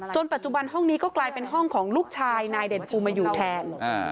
ปัจจุบันห้องนี้ก็กลายเป็นห้องของลูกชายนายเด่นภูมิมาอยู่แทน